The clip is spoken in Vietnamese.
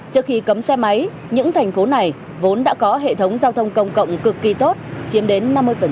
trước khi cấm xe máy những thành phố này vốn đã có hệ thống giao thông công cộng cực kỳ tốt chiếm đến năm mươi